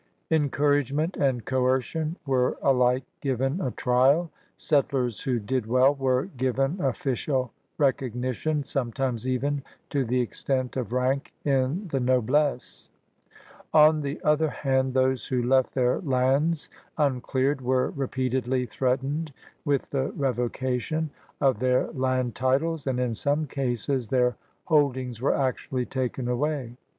Encouragement and coercion were alike given a trial. Settlers who did well were given o£Bicial recognition, sometimes even to the extent of rank in the noblesse. On the other hand those who left their lands imcleared were repeatedly threatened with the revocation of their land titles, and in some cases their hold ings were actually taken away.